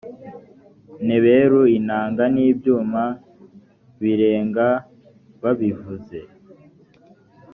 nebelu, inanga, n’ibyuma birenga babivuze